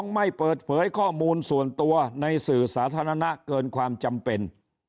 ไม่เปิดเผยข้อมูลส่วนตัวในสื่อสาธารณะเกินความจำเป็น